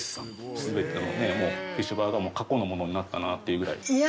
すべてのフィッシュバーガーは過去のものになったなっていうぐらい。